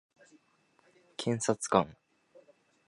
検察官